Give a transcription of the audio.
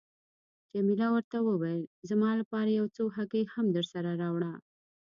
جميله ورته وویل: زما لپاره یو څو هګۍ هم درسره راوړه.